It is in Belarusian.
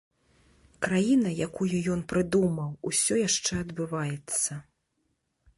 Краіна, якую ён прыдумаў, усё яшчэ адбываецца.